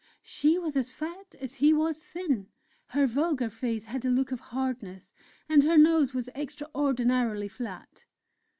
She was as fat as he was thin; her vulgar face had a look of hardness, and her nose was extraordinarily flat.